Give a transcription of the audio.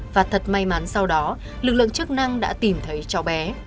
và thật may mắn sau đó lực lượng chức năng đã tìm thấy cháu bé